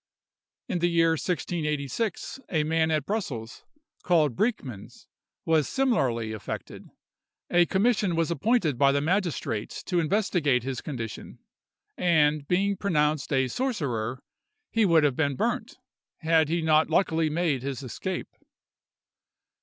In the year 1686, a man at Brussels, called Breekmans, was similarly affected. A commission was appointed by the magistrates to investigate his condition; and, being pronounced a sorcerer, he would have been burnt, had he not luckily made his escape.